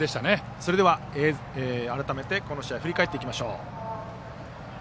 それでは、改めてこの試合を振り返りましょう。